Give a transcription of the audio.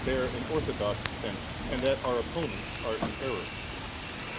bear an orthodox sense, and that our oppo nents are in error.